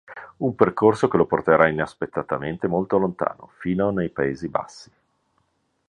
Un percorso che lo porterà inaspettatamente molto lontano, fino nei Paesi Bassi.